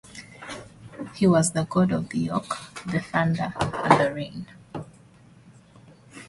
He was the god of the oak, the thunder, and the rain.